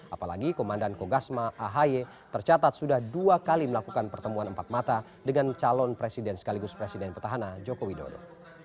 apalagi komandan kogasma ahi tercatat sudah dua kali melakukan pertemuan empat mata dengan calon presiden sekaligus presiden petahana joko widodo